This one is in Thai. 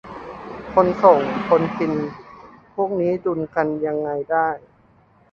คนส่ง คนกิน พวกนี้ดุลกันยังไงได้